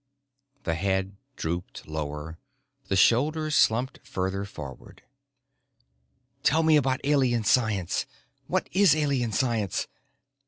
The head drooped lower, the shoulders slumped further forward. "Tell me about Alien science. What is Alien science?"